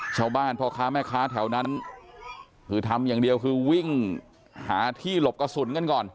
พ่อค้าแม่ค้าแถวนั้นคือทำอย่างเดียวคือวิ่งหาที่หลบกระสุนกันก่อน